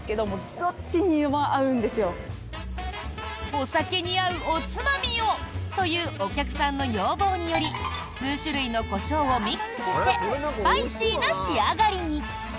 お酒に合うおつまみをというお客さんの要望により数種類のコショウをミックスしてスパイシーな仕上がりに。